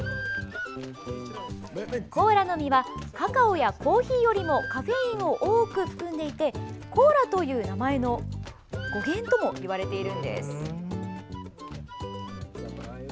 コーラの実はカカオやコーヒーよりもカフェインを多く含んでいてコーラという名前の語源ともいわれているんです。